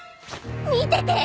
見てて！